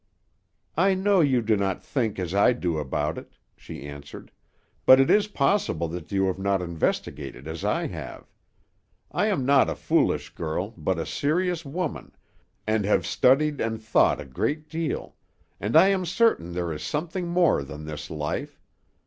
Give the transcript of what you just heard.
"I know you do not think as I do about it," she answered, "but it is possible that you have not investigated as I have. I am not a foolish girl, but a serious woman, and have studied and thought a great deal, and I am certain there is something more than this life.